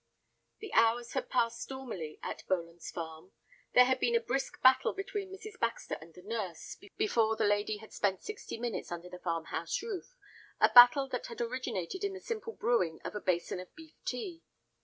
The hours had passed stormily at Boland's Farm. There had been a brisk battle between Mrs. Baxter and the nurse, before the latter lady had spent sixty minutes under the farm house roof, a battle that had originated in the simple brewing of a basin of beef tea.